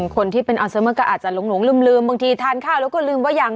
คนที่เป็นอัลไซเมอร์ก็อาจจะหลงลืมบางทีทานข้าวแล้วก็ลืมว่ายัง